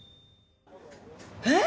えっ！？